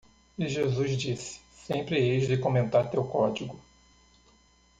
E Jesus disse, Sempre eis de comentar teu código.